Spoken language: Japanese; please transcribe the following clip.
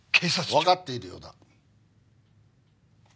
わかっているようだ。